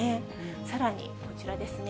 さらにこちらですね。